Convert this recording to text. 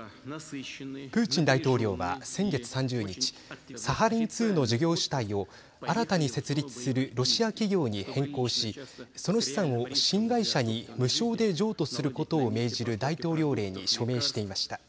プーチン大統領は先月３０日サハリン２の事業主体を新たに設立するロシア企業に変更しその資産を新会社に無償で譲渡することを命じる大統領令に署名していました。